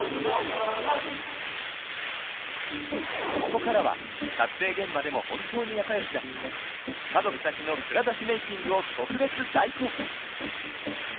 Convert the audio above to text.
ここからは撮影現場でも本当に仲良しだった家族たちの蔵出しメイキングを特別大公開